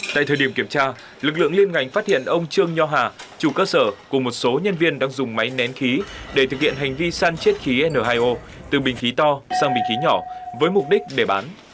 tại thời điểm kiểm tra lực lượng liên ngành phát hiện ông trương nho hà chủ cơ sở cùng một số nhân viên đang dùng máy nén khí để thực hiện hành vi săn chiết khí n hai o từ bình khí to sang bình khí nhỏ với mục đích để bán